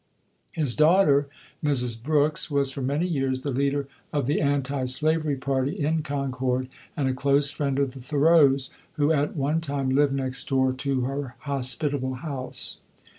His daughter, Mrs. Brooks, was for many years the leader of the antislavery party in Concord, and a close friend of the Thoreaus, who at one time lived next door to her hospitable house.